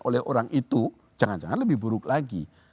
oleh orang itu jangan jangan lebih buruk lagi